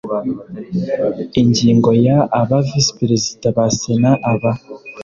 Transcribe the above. Ingingo ya Aba Visi Perezida ba Sena aba